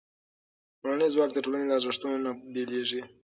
ټولنیز ځواک د ټولنې له ارزښتونو نه بېلېږي.